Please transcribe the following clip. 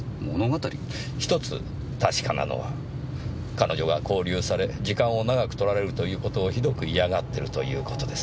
１つ確かなのは彼女が勾留され時間を長く取られるという事をひどく嫌がってるという事です。